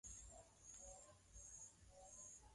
Subiri tafadhali.